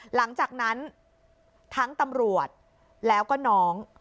หลังจากนั้นทั้งตำรวจแล้วก็น้อง